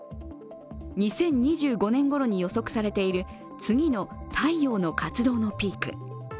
２０２５年ごろに予測されている次の太陽の活動のピーク。